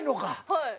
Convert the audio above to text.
はい。